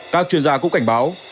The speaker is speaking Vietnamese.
các chuyên gia cũng cảnh báo